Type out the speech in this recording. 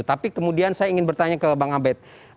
tapi kemudian saya ingin bertanya ke bang abed